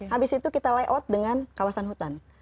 habis itu kita layout dengan kawasan hutan